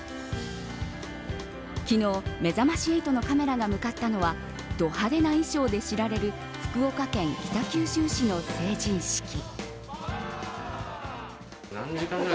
昨日、めざまし８のカメラが向かったのはド派手な衣装で知られる福岡県北九州市の成人式。